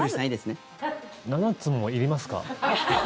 ７つもいりますか？